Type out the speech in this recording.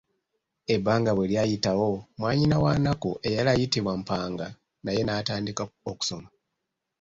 Ebbanga bwe lyayitawo mwannyina wa Nnakku eyali ayitibwa Mpanga naye naatandika okusoma.